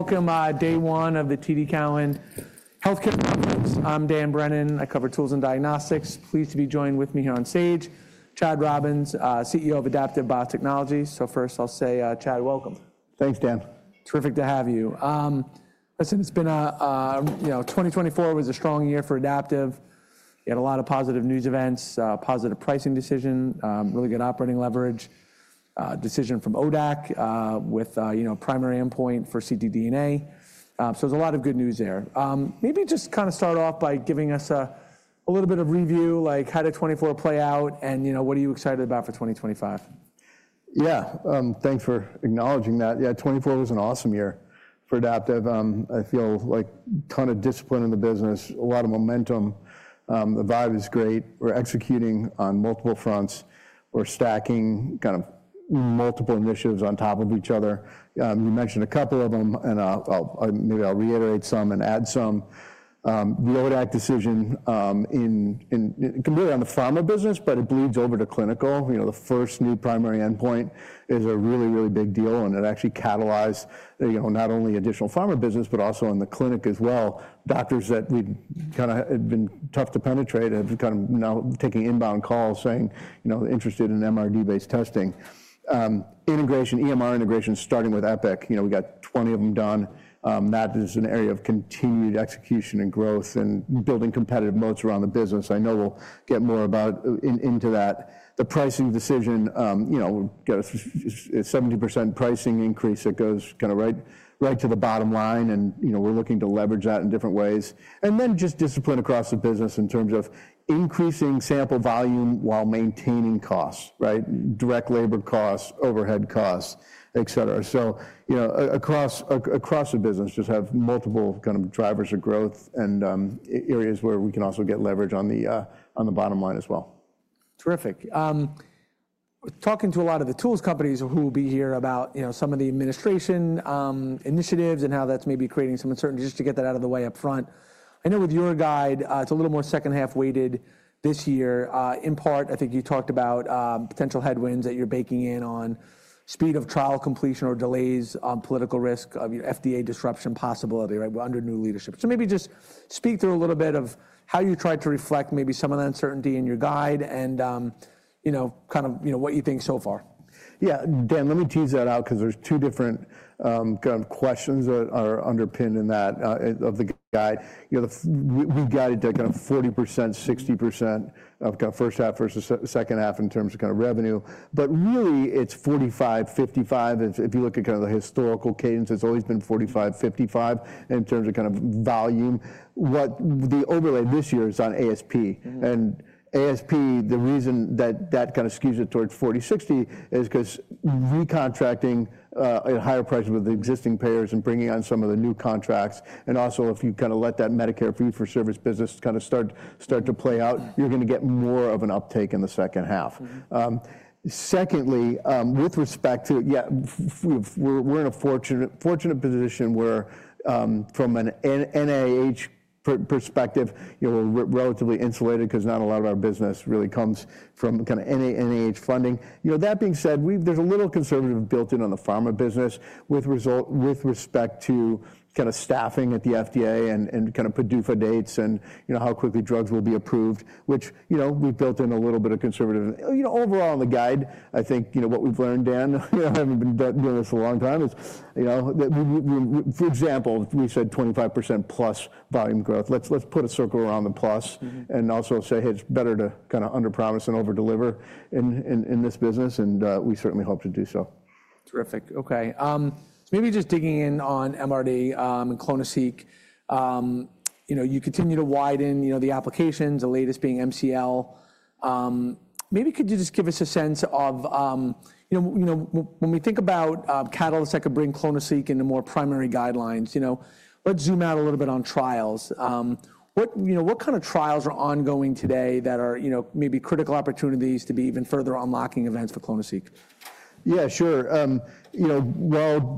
Welcome, day one of the TD Cowen Healthcare Conference. I'm Dan Brennan. I cover tools and diagnostics. Pleased to be joined with me here on stage, Chad Robins, CEO of Adaptive Biotechnologies. First, I'll say, Chad, welcome. Thanks, Dan. Terrific to have you. Listen, it's been a, you know, 2024 was a strong year for Adaptive. You had a lot of positive news events, positive pricing decision, really good operating leverage, decision from ODAC with, you know, primary endpoint for ctDNA. So there's a lot of good news there. Maybe just kind of start off by giving us a little bit of review, like how did 2024 play out, and you know, what are you excited about for 2025? Yeah, thanks for acknowledging that. Yeah, 2024 was an awesome year for Adaptive. I feel like a ton of discipline in the business, a lot of momentum. The vibe is great. We're executing on multiple fronts. We're stacking kind of multiple initiatives on top of each other. You mentioned a couple of them, and maybe I'll reiterate some and add some. The ODAC decision, it can be on the pharma business, but it bleeds over to clinical. You know, the first new primary endpoint is a really, really big deal, and it actually catalyzed, you know, not only additional pharma business, but also in the clinic as well. Doctors that we kind of had been tough to penetrate have kind of now taken inbound calls saying, you know, interested in MRD-based testing. Integration, EMR integration, starting with Epic. You know, we got 20 of them done. That is an area of continued execution and growth and building competitive moats around the business. I know we'll get more about into that. The pricing decision, you know, got a 70% pricing increase that goes kind of right to the bottom line, and you know, we're looking to leverage that in different ways. And then just discipline across the business in terms of increasing sample volume while maintaining costs, right? Direct labor costs, overhead costs, et cetera. You know, across the business, just have multiple kind of drivers of growth and areas where we can also get leverage on the bottom line as well. Terrific. Talking to a lot of the tools companies who will be here about, you know, some of the administration initiatives and how that's maybe creating some uncertainty, just to get that out of the way upfront. I know with your guide, it's a little more second half weighted this year. In part, I think you talked about potential headwinds that you're baking in on speed of trial completion or delays on political risk of FDA disruption possibility, right? We're under new leadership. Maybe just speak through a little bit of how you tried to reflect maybe some of the uncertainty in your guide and, you know, kind of, you know, what you think so far. Yeah, Dan, let me tease that out because there's two different kind of questions that are underpinned in that of the guide. You know, we guided to kind of 40%-60% of kind of first half versus second half in terms of kind of revenue. Really, it's 45-55. If you look at kind of the historical cadence, it's always been 45-55 in terms of kind of volume. What the overlay this year is on ASP. ASP, the reason that that kind of skews it towards 40-60 is because recontracting at higher prices with the existing payers and bringing on some of the new contracts. Also, if you kind of let that Medicare fee for service business kind of start to play out, you're going to get more of an uptake in the second half. Secondly, with respect to, yeah, we're in a fortunate position where from an NIH perspective, you know, we're relatively insulated because not a lot of our business really comes from kind of NIH funding. You know, that being said, there's a little conservative built in on the pharma business with respect to kind of staffing at the FDA and kind of PDUFA dates and, you know, how quickly drugs will be approved, which, you know, we've built in a little bit of conservative. You know, overall on the guide, I think, you know, what we've learned, Dan, you know, having been doing this a long time, is, you know, for example, we said 25% plus volume growth. Let's put a circle around the plus and also say, hey, it's better to kind of underpromise than overdeliver in this business, and we certainly hope to do so. Terrific. Okay. Maybe just digging in on MRD and clonoSEQ, you know, you continue to widen, you know, the applications, the latest being MCL. Maybe could you just give us a sense of, you know, when we think about catalysts that could bring clonoSEQ into more primary guidelines, you know, let's zoom out a little bit on trials. What, you know, what kind of trials are ongoing today that are, you know, maybe critical opportunities to be even further unlocking events for clonoSEQ? Yeah, sure. You know,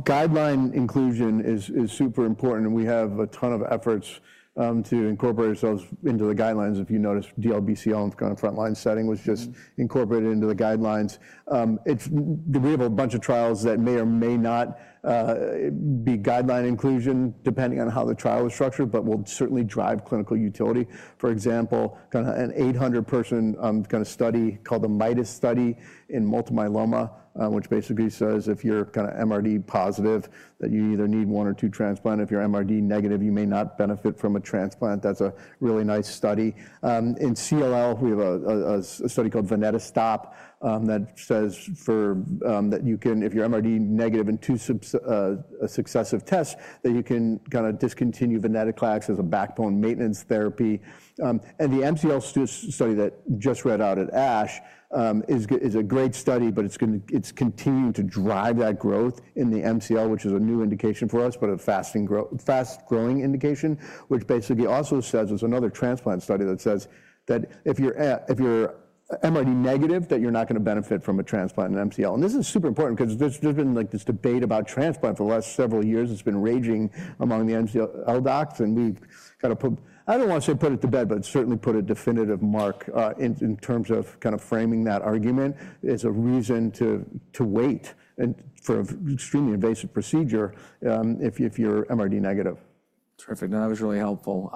guideline inclusion is super important, and we have a ton of efforts to incorporate ourselves into the guidelines. If you notice, DLBCL in the frontline setting was just incorporated into the guidelines. We have a bunch of trials that may or may not be guideline inclusion depending on how the trial is structured, but will certainly drive clinical utility. For example, kind of an 800-person kind of study called the MITUS study in multi-myeloma, which basically says if you're kind of MRD positive, that you either need one or two transplants. If you're MRD negative, you may not benefit from a transplant. That's a really nice study. In CLL, we have a study called Veneto-STOP that says that you can, if you're MRD negative in two successive tests, that you can kind of discontinue venetoclax as a backbone maintenance therapy. The MCL study that just read out at ASH is a great study, but it is continuing to drive that growth in the MCL, which is a new indication for us, but a fast-growing indication, which basically also says there is another transplant study that says that if you are MRD negative, you are not going to benefit from a transplant in MCL. This is super important because there has been like this debate about transplant for the last several years. It has been raging among the MCL docs, and we kind of, I do not want to say put it to bed, but certainly put a definitive mark in terms of kind of framing that argument as a reason to wait for an extremely invasive procedure if you are MRD negative. Terrific. No, that was really helpful.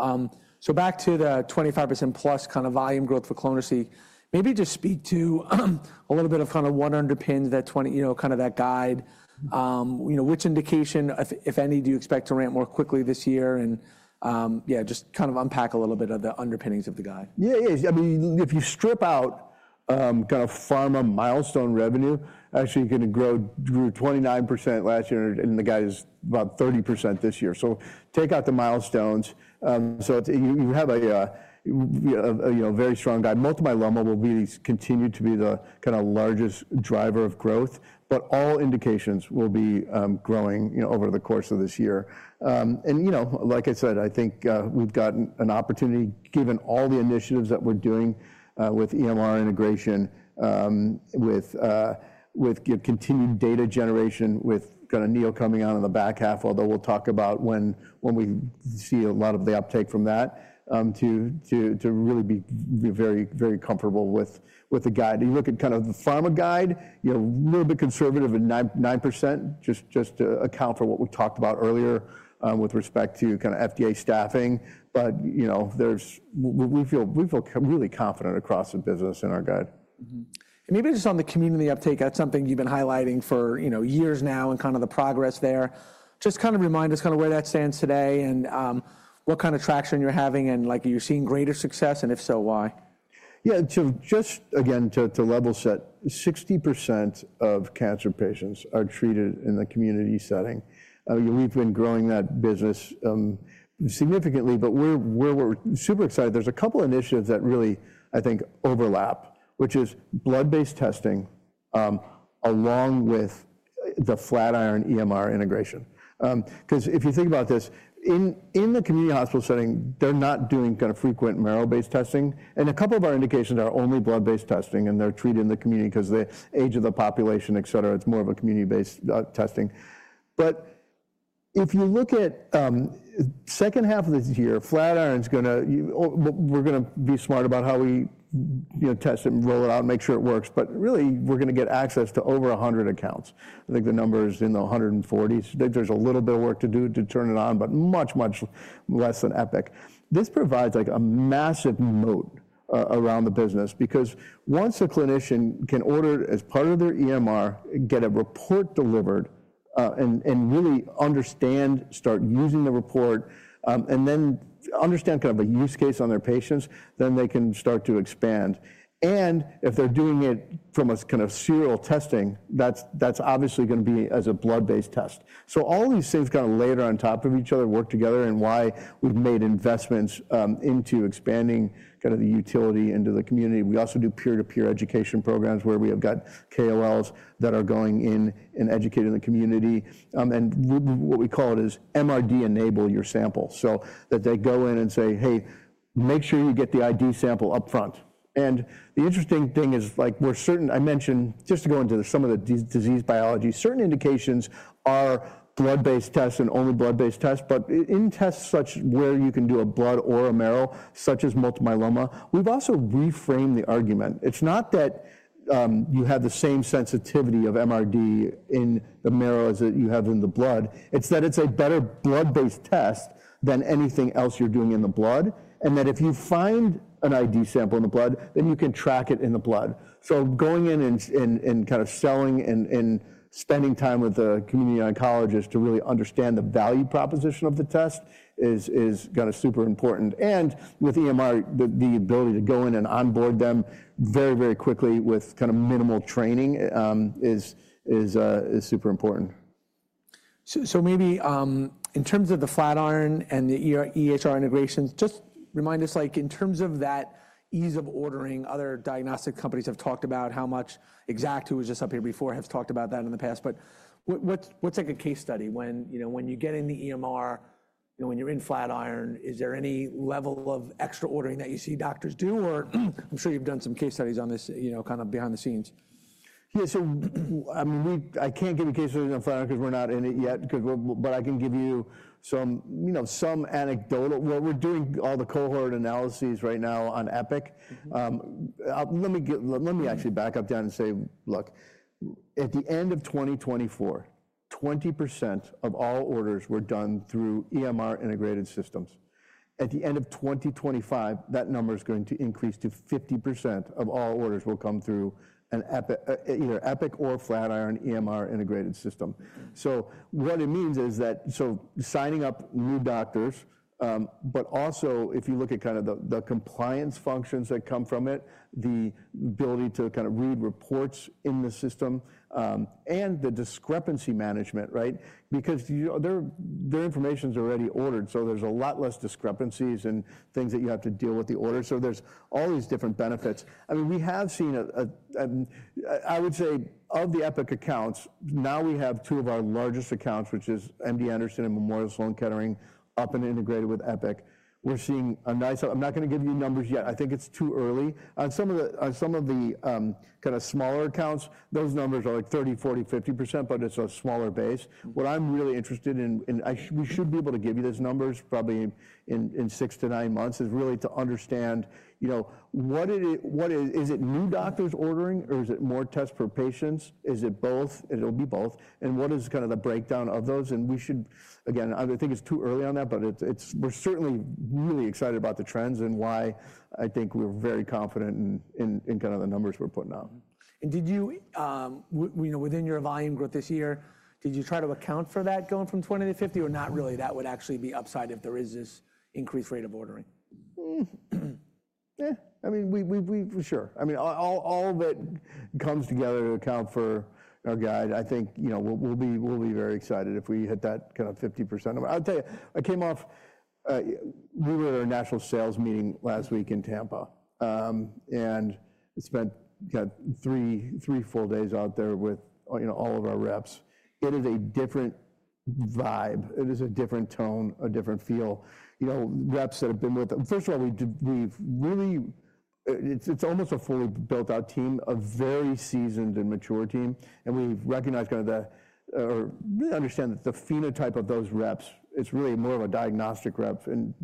Back to the 25% plus kind of volume growth for clonoSEQ, maybe just speak to a little bit of kind of what underpins that, you know, kind of that guide. You know, which indication, if any, do you expect to ramp more quickly this year? Yeah, just kind of unpack a little bit of the underpinnings of the guide. Yeah, yeah. I mean, if you strip out kind of pharma milestone revenue, actually you're going to grow 29% last year, and the guide is about 30% this year. Take out the milestones. You have a very strong guide. Multi-myeloma will really continue to be the kind of largest driver of growth, but all indications will be growing over the course of this year. You know, like I said, I think we've gotten an opportunity given all the initiatives that we're doing with EMR integration, with continued data generation, with kind of Neo coming on in the back half, although we'll talk about when we see a lot of the uptake from that to really be very, very comfortable with the guide. You look at kind of the pharma guide, you know, a little bit conservative at 9%, just to account for what we talked about earlier with respect to kind of FDA staffing. You know, we feel really confident across the business in our guide. Maybe just on the community uptake, that's something you've been highlighting for, you know, years now and kind of the progress there. Just kind of remind us kind of where that stands today and what kind of traction you're having and like you're seeing greater success, and if so, why? Yeah, so just again, to level set, 60% of cancer patients are treated in the community setting. We've been growing that business significantly, but we're super excited. There's a couple of initiatives that really, I think, overlap, which is blood-based testing along with the Flatiron EMR integration. Because if you think about this, in the community hospital setting, they're not doing kind of frequent marrow-based testing. And a couple of our indications are only blood-based testing, and they're treated in the community because the age of the population, et cetera, it's more of a community-based testing. If you look at the second half of this year, Flatiron's going to, we're going to be smart about how we test it and roll it out and make sure it works. Really, we're going to get access to over 100 accounts. I think the number is in the 140s. There's a little bit of work to do to turn it on, but much, much less than Epic. This provides like a massive moat around the business because once a clinician can order as part of their EMR, get a report delivered, and really understand, start using the report, and then understand kind of a use case on their patients, they can start to expand. If they're doing it from a kind of serial testing, that's obviously going to be as a blood-based test. All these things kind of layer on top of each other, work together, and why we've made investments into expanding kind of the utility into the community. We also do peer-to-peer education programs where we have got KOLs that are going in and educating the community. What we call it is MRD-enable your sample so that they go in and say, "Hey, make sure you get the ID sample upfront." The interesting thing is like we're certain, I mentioned just to go into some of the disease biology, certain indications are blood-based tests and only blood-based tests. In tests such where you can do a blood or a marrow, such as multi-myeloma, we've also reframed the argument. It's not that you have the same sensitivity of MRD in the marrow as you have in the blood. It's that it's a better blood-based test than anything else you're doing in the blood. If you find an ID sample in the blood, then you can track it in the blood. Going in and kind of selling and spending time with the community oncologist to really understand the value proposition of the test is kind of super important. With EMR, the ability to go in and onboard them very, very quickly with kind of minimal training is super important. Maybe in terms of the Flatiron and the EHR integration, just remind us like in terms of that ease of ordering, other diagnostic companies have talked about how much Exact, who was just up here before, have talked about that in the past. What's like a case study when, you know, when you get in the EMR, you know, when you're in Flatiron, is there any level of extra ordering that you see doctors do? Or I'm sure you've done some case studies on this, you know, kind of behind the scenes. Yeah, so I mean, I can't give a case study on Flatiron because we're not in it yet. But I can give you some, you know, some anecdotal. We're doing all the cohort analyses right now on Epic. Let me actually back up, Dan, and say, look, at the end of 2024, 20% of all orders were done through EMR integrated systems. At the end of 2025, that number is going to increase to 50% of all orders will come through either Epic or Flatiron EMR integrated system. What it means is that, signing up new doctors, but also if you look at kind of the compliance functions that come from it, the ability to kind of read reports in the system and the discrepancy management, right? Because their information is already ordered, so there's a lot less discrepancies and things that you have to deal with the order. There's all these different benefits. I mean, we have seen, I would say, of the Epic accounts, now we have two of our largest accounts, which is MD Anderson and Memorial Sloan Kettering, up and integrated with Epic. We're seeing a nice, I'm not going to give you numbers yet. I think it's too early. On some of the kind of smaller accounts, those numbers are like 30%, 40%, 50%, but it's a smaller base. What I'm really interested in, and we should be able to give you those numbers probably in six to nine months, is really to understand, you know, what is it, new doctors ordering or is it more tests per patients? Is it both? It'll be both. What is kind of the breakdown of those? We should, again, I think it's too early on that, but we're certainly really excited about the trends and why I think we're very confident in kind of the numbers we're putting out. Did you, you know, within your volume growth this year, try to account for that going from 20 to 50 or not really? That would actually be upside if there is this increased rate of ordering. Yeah, I mean, we sure. I mean, all that comes together to account for our guide, I think, you know, we'll be very excited if we hit that kind of 50%. I'll tell you, I came off, we were at our national sales meeting last week in Tampa and spent three full days out there with, you know, all of our reps. It is a different vibe. It is a different tone, a different feel. You know, reps that have been with, first of all, we've really, it's almost a fully built-out team, a very seasoned and mature team. And we recognize kind of the, or really understand that the phenotype of those reps, it's really more of a diagnostic rep and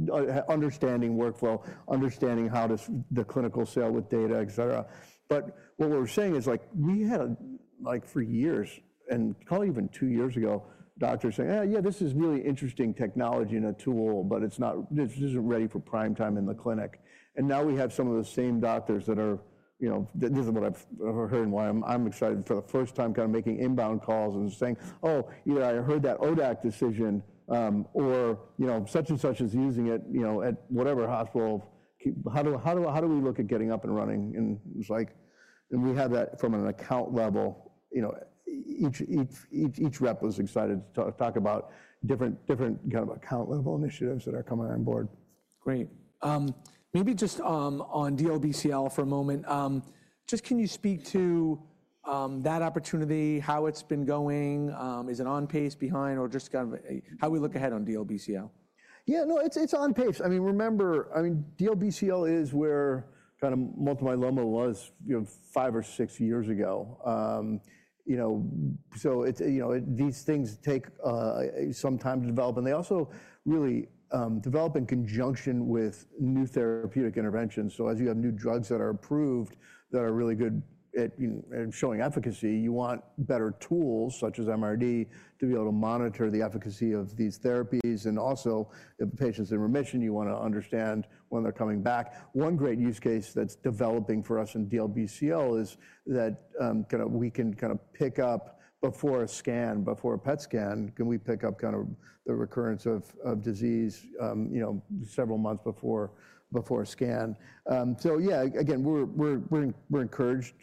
understanding workflow, understanding how to the clinical sale with data, et cetera. What we're saying is like we had like for years and probably even two years ago, doctors saying, yeah, this is really interesting technology and a tool, but it's not, this isn't ready for prime time in the clinic. Now we have some of the same doctors that are, you know, this is what I've heard and why I'm excited for the first time kind of making inbound calls and saying, oh, either I heard that ODAC decision or, you know, such and such is using it, you know, at whatever hospital. How do we look at getting up and running? It's like, and we have that from an account level, you know, each rep was excited to talk about different kind of account level initiatives that are coming on board. Great. Maybe just on DLBCL for a moment. Just can you speak to that opportunity, how it's been going? Is it on pace, behind, or just kind of how we look ahead on DLBCL? Yeah, no, it's on pace. I mean, remember, I mean, DLBCL is where kind of multi-myeloma was, you know, five or six years ago. You know, so it's, you know, these things take some time to develop. They also really develop in conjunction with new therapeutic interventions. As you have new drugs that are approved that are really good at showing efficacy, you want better tools such as MRD to be able to monitor the efficacy of these therapies. Also, if the patient's in remission, you want to understand when they're coming back. One great use case that's developing for us in DLBCL is that kind of we can kind of pick up before a scan, before a PET scan, can we pick up kind of the recurrence of disease, you know, several months before a scan. Yeah, again, we're encouraged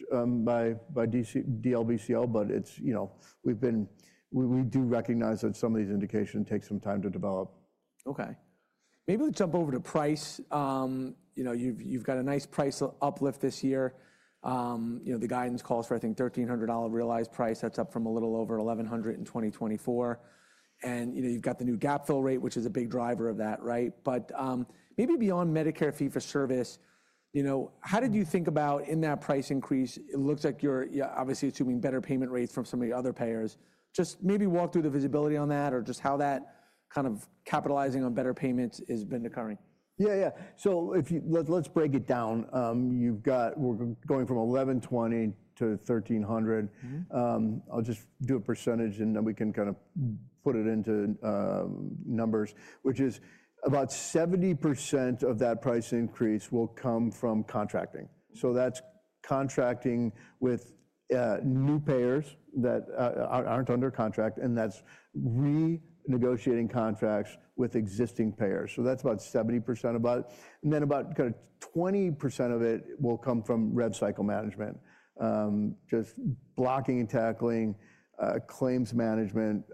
by DLBCL, but it's, you know, we've been, we do recognize that some of these indications take some time to develop. Okay. Maybe we jump over to price. You know, you've got a nice price uplift this year. You know, the guidance calls for, I think, $1,300 realized price. That's up from a little over $1,100 in 2024. And you know, you've got the new gap fill rate, which is a big driver of that, right? Maybe beyond Medicare fee for service, you know, how did you think about in that price increase? It looks like you're obviously assuming better payment rates from some of the other payers. Just maybe walk through the visibility on that or just how that kind of capitalizing on better payments has been occurring. Yeah, yeah. Let's break it down. You've got, we're going from $1,120 to $1,300. I'll just do a percentage and then we can kind of put it into numbers, which is about 70% of that price increase will come from contracting. That's contracting with new payers that aren't under contract and that's renegotiating contracts with existing payers. That's about 70% of it. Then about 20% of it will come from rev cycle management, just blocking and tackling, claims management.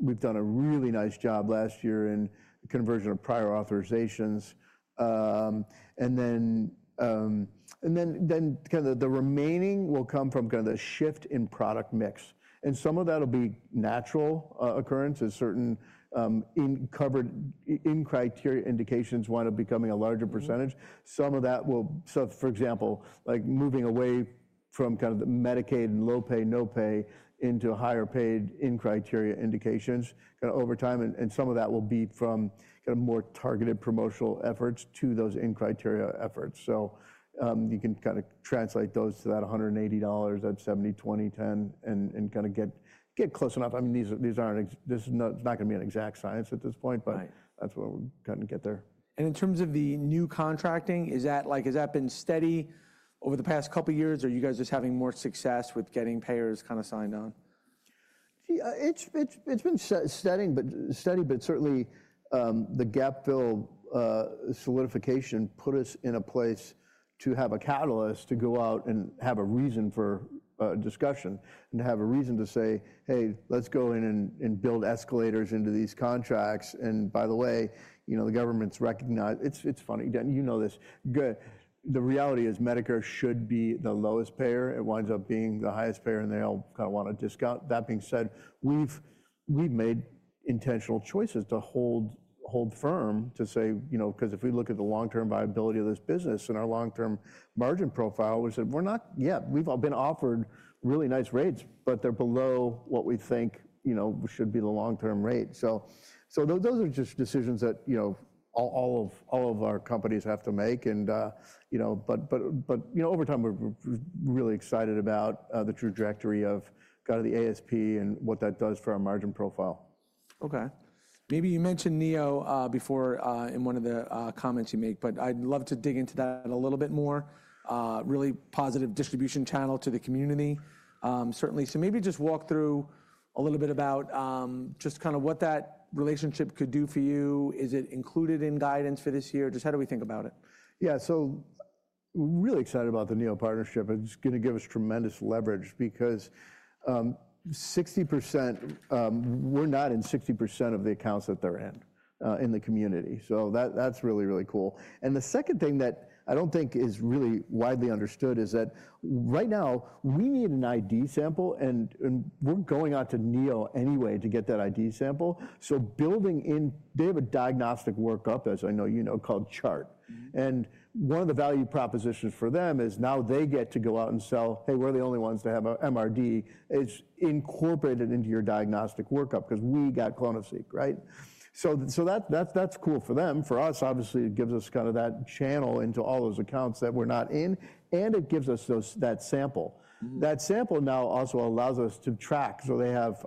We've done a really nice job last year in conversion of prior authorizations. The remaining will come from the shift in product mix. Some of that will be natural occurrence as certain covered in criteria indications wind up becoming a larger percentage. Some of that will, for example, like moving away from kind of the Medicaid and low pay, no pay into higher paid in criteria indications kind of over time. Some of that will be from kind of more targeted promotional efforts to those in criteria efforts. You can kind of translate those to that $180 at 70, 20, 10 and kind of get close enough. I mean, this is not going to be an exact science at this point, but that is what we are going to get there. In terms of the new contracting, is that like, has that been steady over the past couple of years or are you guys just having more success with getting payers kind of signed on? It's been steady, but certainly the gap fill solidification put us in a place to have a catalyst to go out and have a reason for discussion and to have a reason to say, hey, let's go in and build escalators into these contracts. By the way, you know, the government's recognized, it's funny, you know this. Good. The reality is Medicare should be the lowest payer. It winds up being the highest payer and they all kind of want a discount. That being said, we've made intentional choices to hold firm to say, you know, because if we look at the long-term viability of this business and our long-term margin profile, we said, we're not yet, we've all been offered really nice rates, but they're below what we think, you know, should be the long-term rate. Those are just decisions that, you know, all of our companies have to make. You know, over time, we're really excited about the trajectory of kind of the ASP and what that does for our margin profile. Okay. Maybe you mentioned NeoGenomics before in one of the comments you make, but I'd love to dig into that a little bit more. Really positive distribution channel to the community. Certainly. Maybe just walk through a little bit about just kind of what that relationship could do for you. Is it included in guidance for this year? Just how do we think about it? Yeah, so we're really excited about the NeoGenomics partnership. It's going to give us tremendous leverage because 60%, we're not in 60% of the accounts that they're in, in the community. That's really, really cool. The second thing that I don't think is really widely understood is that right now we need an ID sample and we're going out to NeoGenomics anyway to get that ID sample. Building in, they have a diagnostic workup, as I know you know, called CHART. One of the value propositions for them is now they get to go out and sell, hey, we're the only ones that have an MRD, is incorporated into your diagnostic workup because we got clonoSEQ, right? That's cool for them. For us, obviously, it gives us kind of that channel into all those accounts that we're not in. It gives us that sample. That sample now also allows us to track. They have,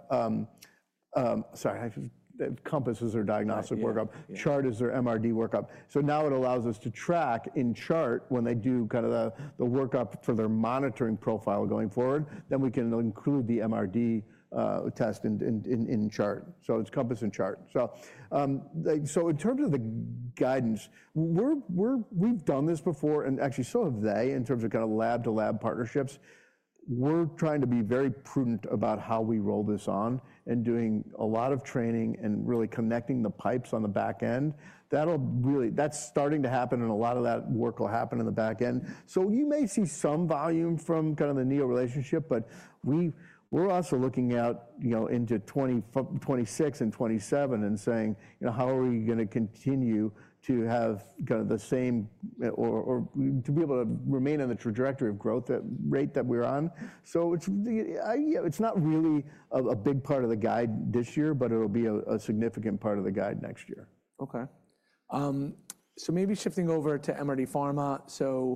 sorry, COMPASS is their diagnostic workup. CHART is their MRD workup. It allows us to track in CHART when they do kind of the workup for their monitoring profile going forward. We can include the MRD test in CHART. It is COMPASS and CHART. In terms of the guidance, we have done this before and actually so have they in terms of lab to lab partnerships. We are trying to be very prudent about how we roll this on and doing a lot of training and really connecting the pipes on the back end. That is starting to happen and a lot of that work will happen in the back end. You may see some volume from kind of the NeoGenomics relationship, but we're also looking out, you know, into 2026 and 2027 and saying, you know, how are we going to continue to have kind of the same or to be able to remain on the trajectory of growth rate that we're on? It is not really a big part of the guide this year, but it'll be a significant part of the guide next year. Okay. Maybe shifting over to MRD Pharma.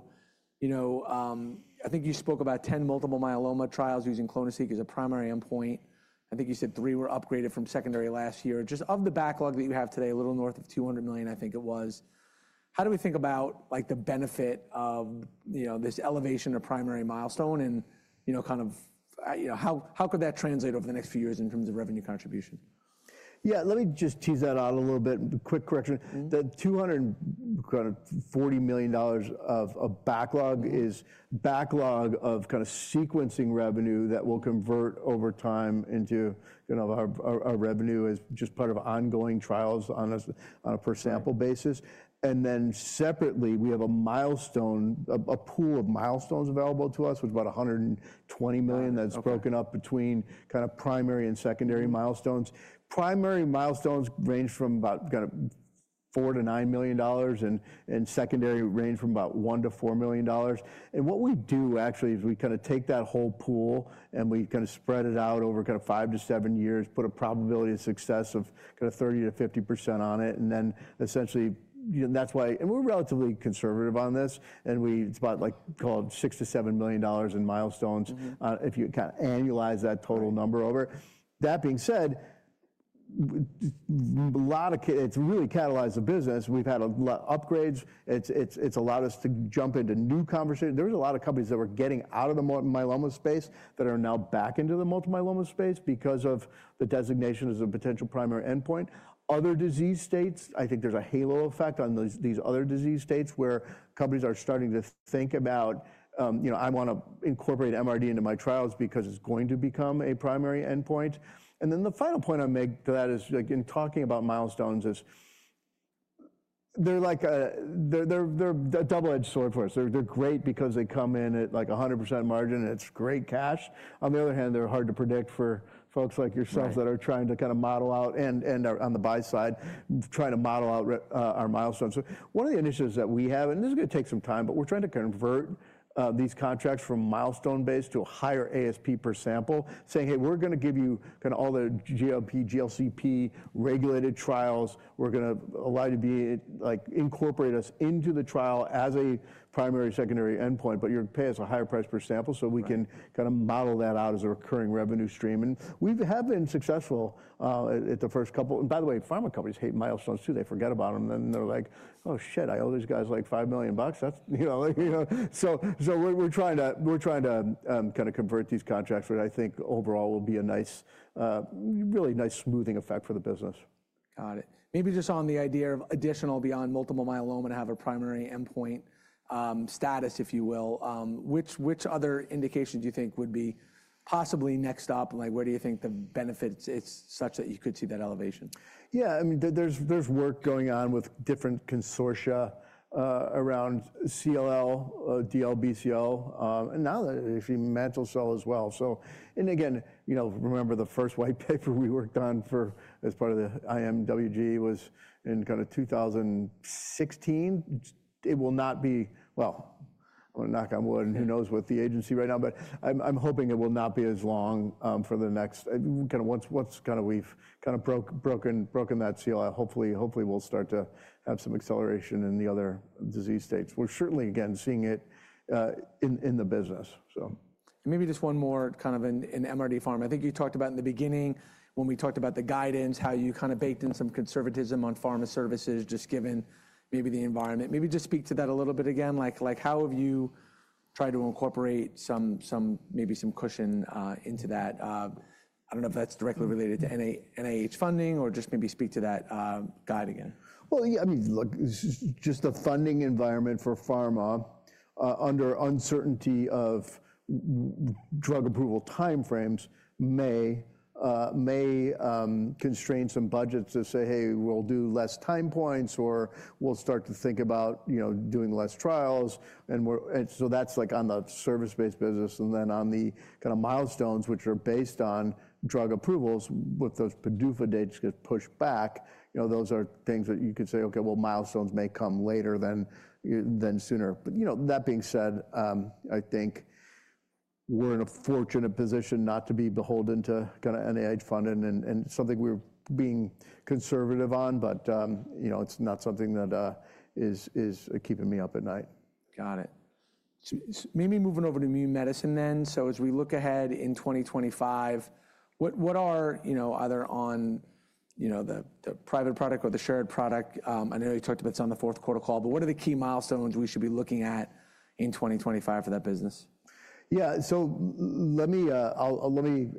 You know, I think you spoke about 10 multiple myeloma trials using clonoSEQ as a primary endpoint. I think you said three were upgraded from secondary last year. Just of the backlog that you have today, a little north of $200 million, I think it was. How do we think about the benefit of this elevation of primary milestone and, you know, how could that translate over the next few years in terms of revenue contributions? Yeah, let me just tease that out a little bit. Quick correction. The $240 million of backlog is backlog of kind of sequencing revenue that will convert over time into kind of our revenue as just part of ongoing trials on a per sample basis. Then separately, we have a milestone, a pool of milestones available to us, which is about $120 million. That's broken up between kind of primary and secondary milestones. Primary milestones range from about $4-9 million and secondary range from about $1-4 million. What we do actually is we kind of take that whole pool and we kind of spread it out over kind of five to seven years, put a probability of success of kind of 30-50% on it. Essentially, you know, that's why, and we're relatively conservative on this. We, it's about like called $6 million to $7 million in milestones if you kind of annualize that total number over. That being said, a lot of, it's really catalyzed the business. We've had a lot of upgrades. It's allowed us to jump into new conversations. There were a lot of companies that were getting out of the multi-myeloma space that are now back into the multi-myeloma space because of the designation as a potential primary endpoint. Other disease states, I think there's a halo effect on these other disease states where companies are starting to think about, you know, I want to incorporate MRD into my trials because it's going to become a primary endpoint. The final point I make to that is like in talking about milestones is they're like a double-edged sword for us. They're great because they come in at like 100% margin and it's great cash. On the other hand, they're hard to predict for folks like yourselves that are trying to kind of model out and are on the buy side, trying to model out our milestones. One of the initiatives that we have, and this is going to take some time, is we're trying to convert these contracts from milestone-based to a higher ASP per sample, saying, hey, we're going to give you kind of all the GLP, GLCP regulated trials. We're going to allow you to be like incorporate us into the trial as a primary secondary endpoint, but you're paying us a higher price per sample so we can kind of model that out as a recurring revenue stream. We have been successful at the first couple. By the way, pharma companies hate milestones too. They forget about them and then they're like, oh shit, I owe these guys like $5 million. That's, you know, so we're trying to kind of convert these contracts, which I think overall will be a nice, really nice smoothing effect for the business. Got it. Maybe just on the idea of additional beyond multiple myeloma to have a primary endpoint status, if you will, which other indications do you think would be possibly next up? Like where do you think the benefits is such that you could see that elevation? Yeah, I mean, there's work going on with different consortia around CLL, DLBCL, and now actually mantle cell as well. You know, remember the first white paper we worked on as part of the IMWG was in kind of 2016. It will not be, I'm going to knock on wood and who knows with the agency right now, but I'm hoping it will not be as long for the next, kind of what's, we've kind of broken that seal. Hopefully, hopefully we'll start to have some acceleration in the other disease states. We're certainly again seeing it in the business. Maybe just one more kind of in MRD Pharma. I think you talked about in the beginning when we talked about the guidance, how you kind of baked in some conservatism on pharma services just given maybe the environment. Maybe just speak to that a little bit again. Like how have you tried to incorporate some, maybe some cushion into that? I don't know if that's directly related to NIH funding or just maybe speak to that guide again. Yeah, I mean, look, just the funding environment for pharma under uncertainty of drug approval timeframes may constrain some budgets to say, hey, we'll do less time points or we'll start to think about, you know, doing less trials. That's like on the service-based business and then on the kind of milestones, which are based on drug approvals with those PDUFA dates get pushed back. You know, those are things that you could say, okay, milestones may come later than sooner. You know, that being said, I think we're in a fortunate position not to be beholden to kind of NIH funding and something we're being conservative on, but, you know, it's not something that is keeping me up at night. Got it. Maybe moving over to new medicine then. As we look ahead in 2025, what are, you know, either on, you know, the private product or the shared product? I know you talked about it on the fourth quarter call, but what are the key milestones we should be looking at in 2025 for that business? Yeah, let me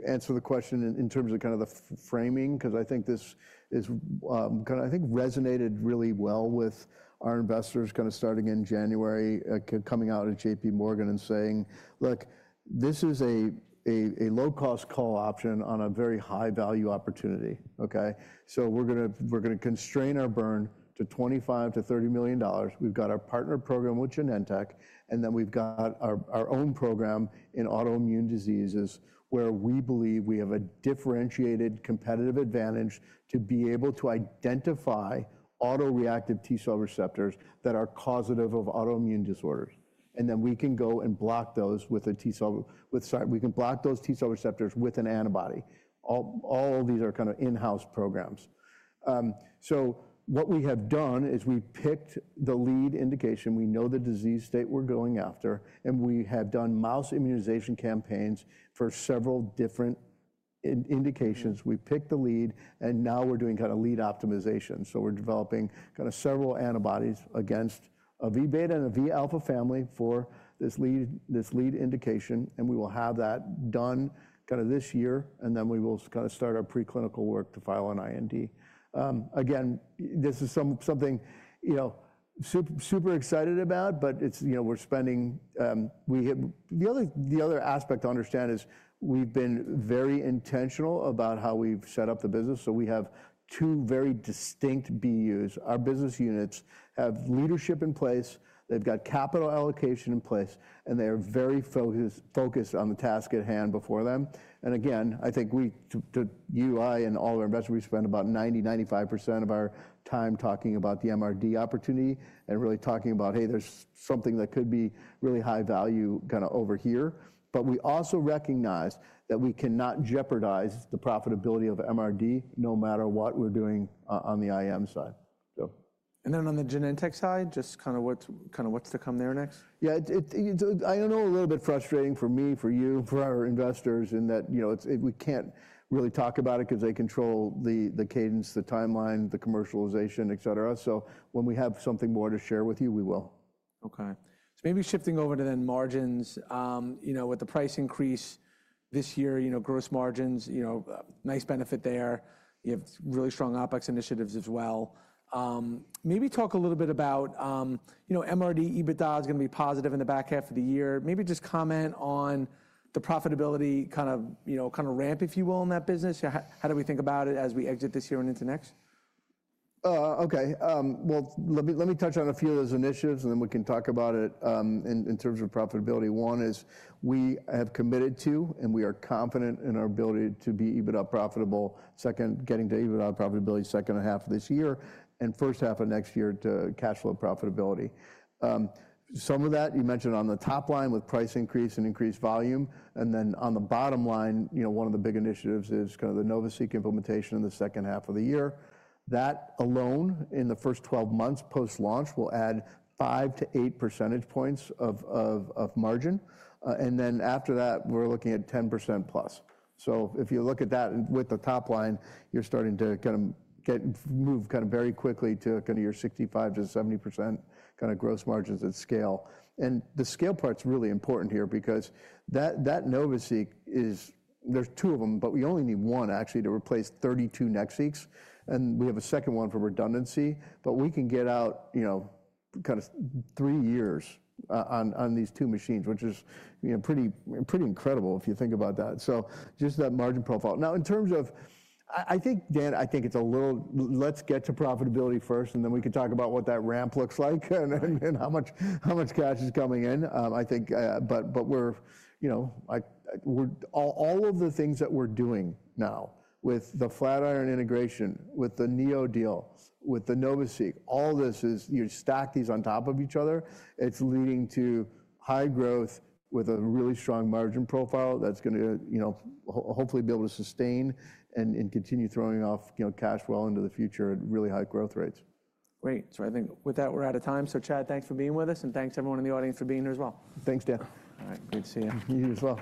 answer the question in terms of kind of the framing because I think this is kind of, I think, resonated really well with our investors starting in January, coming out of JP Morgan and saying, look, this is a low-cost call option on a very high-value opportunity, okay? We are going to constrain our burn to $25 million-$30 million. We have our partner program with Genentech, and then we have our own program in autoimmune diseases where we believe we have a differentiated competitive advantage to be able to identify autoreactive T-cell receptors that are causative of autoimmune disorders. Then we can go and block those with a T-cell, sorry, we can block those T-cell receptors with an antibody. All these are in-house programs. What we have done is we picked the lead indication. We know the disease state we're going after, and we have done mouse immunization campaigns for several different indications. We picked the lead, and now we're doing kind of lead optimization. We are developing kind of several antibodies against a V beta and a V alpha family for this lead indication. We will have that done kind of this year, and then we will kind of start our preclinical work to file an IND. Again, this is something, you know, super excited about, but it's, you know, we're spending, the other aspect to understand is we've been very intentional about how we've set up the business. We have two very distinct BUs. Our business units have leadership in place. They've got capital allocation in place, and they are very focused on the task at hand before them. I think we, to you, I, and all our investors, we spend about 90-95% of our time talking about the MRD opportunity and really talking about, hey, there's something that could be really high value kind of over here. We also recognize that we cannot jeopardize the profitability of MRD no matter what we're doing on the IM side. On the Genentech side, just kind of what's to come there next? Yeah, I don't know, a little bit frustrating for me, for you, for our investors in that, you know, we can't really talk about it because they control the cadence, the timeline, the commercialization, et cetera. When we have something more to share with you, we will. Okay. Maybe shifting over to margins, you know, with the price increase this year, you know, gross margins, you know, nice benefit there. You have really strong OpEx initiatives as well. Maybe talk a little bit about, you know, MRD, EBITDA is going to be positive in the back half of the year. Maybe just comment on the profitability kind of, you know, kind of ramp, if you will, in that business. How do we think about it as we exit this year and into next? Okay. Let me touch on a few of those initiatives, and then we can talk about it in terms of profitability. One is we have committed to, and we are confident in our ability to be EBITDA profitable. Second, getting to EBITDA profitability second half of this year and first half of next year to cash flow profitability. Some of that you mentioned on the top line with price increase and increased volume. On the bottom line, you know, one of the big initiatives is kind of the NovaSeq implementation in the second half of the year. That alone in the first 12 months post-launch will add five to eight percentage points of margin. After that, we're looking at 10% plus. If you look at that with the top line, you're starting to kind of move kind of very quickly to kind of your 65%-70% kind of gross margins at scale. The scale part's really important here because that NovaSeq is, there are two of them, but we only need one actually to replace 32 NextSeq. We have a second one for redundancy, but we can get out, you know, kind of three years on these two machines, which is, you know, pretty incredible if you think about that. Just that margin profile. Now in terms of, I think, Dan, I think it's a little, let's get to profitability first and then we can talk about what that ramp looks like and how much cash is coming in. I think, but we're, you know, all of the things that we're doing now with the Flatiron integration, with the NeoDeal, with the NovaSeq, all this is, you stack these on top of each other. It's leading to high growth with a really strong margin profile that's going to, you know, hopefully be able to sustain and continue throwing off, you know, cash well into the future at really high growth rates. Great. I think with that, we're out of time. Chad, thanks for being with us and thanks everyone in the audience for being here as well. Thanks, Dan. All right. Great to see you. You as well.